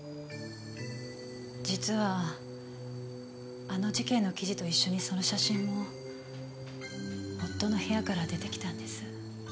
実はあの事件の記事と一緒にその写真も夫の部屋から出てきたんです。